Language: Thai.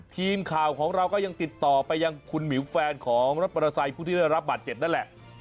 ทีมข่าวของเราก็ยังติดต่อไปยังคุณหมิวแฟนของรถมอเตอร์ไซค์ผู้ที่ได้รับบาดเจ็บนั่นแหละ